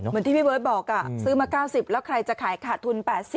เหมือนที่พี่เบิร์ตบอกซื้อมา๙๐แล้วใครจะขายขาดทุน๘๐